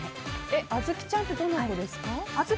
あずきちゃんってどの子ですか？